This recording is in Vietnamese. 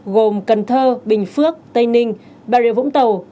gồm cần thơ bình phước tây ninh bà rịa vũng tàu